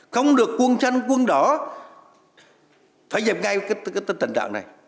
không được quân tranh quân đỏ phải dẹp ngay cái tình trạng này